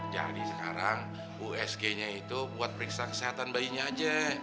jadi sekarang usg nya itu buat periksa kesehatan bayinya aja